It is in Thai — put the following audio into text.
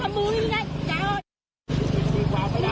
พี่หวาน